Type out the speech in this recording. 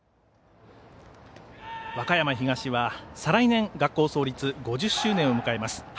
和歌山東は再来年学校創立５０周年を迎えます。